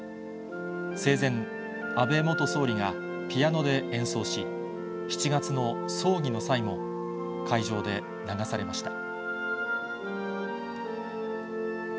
生前、安倍元総理がピアノで演奏し、７月の葬儀の際も、会場で流されました。